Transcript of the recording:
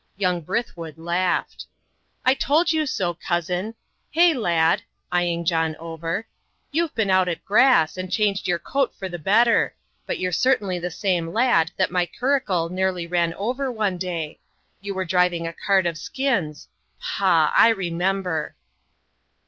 Young Brithwood laughed. "I told you so, cousin. Hey, lad!" eyeing John over, "you've been out at grass, and changed your coat for the better: but you're certainly the same lad that my curricle nearly ran over one day; you were driving a cart of skins pah! I remember."